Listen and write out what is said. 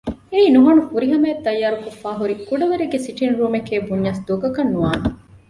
އެއީ ނުހަނު ފުރިހަމައަށް ތައްޔާރުކޮށްފައި ހުރި ކުޑަވަރެއްގެ ސިޓިންގރޫމެކޭ ބުންޏަސް ދޮގަކަށް ނުވާނެ